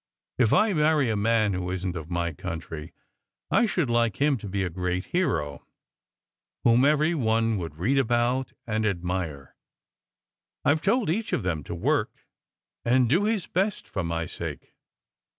If I marry a man who isn t of my own country, I should like him to be a great hero, whom every one would read about and admire. I ve told each of them to work, and do his best for my sake."